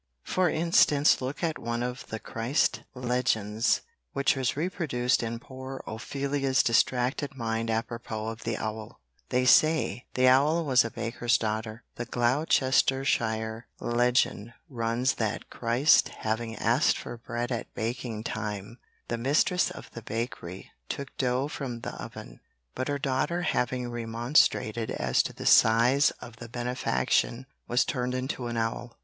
For instance look at one of the Christ legends which was reproduced in poor Ophelia's distracted mind apropos of the owl, "They say, the owl was a baker's daughter." The Gloucestershire legend runs that Christ having asked for bread at baking time the mistress of the bakery took dough from the oven, but her daughter having remonstrated as to the size of the benefaction was turned into an owl.